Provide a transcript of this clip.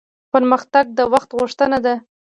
پرمختګ د وخت غوښتنه ده